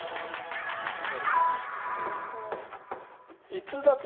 逸脱。